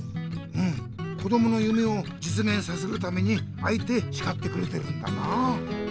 うんこどものゆめをじつげんさせるためにあえてしかってくれてるんだな！